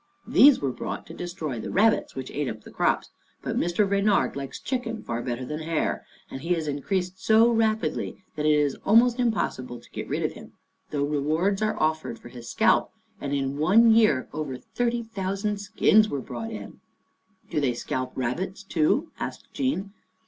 These were brought to destroy the rab bits which ate up the crops, but Mr. Reynard likes chicken far better than hare, and he has increased so rapidly that it is almost impossible to get rid of him, though rewards are offered for his scalp and in one year over thirty thou sand skins were brought in." " Do they scalp rabbits, too? " asked Jean.